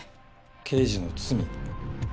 刑事の罪。